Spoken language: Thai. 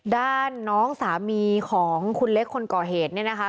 ด้านน้องสามีของคุณเล็กคนก่อเหตุเนี่ยนะคะ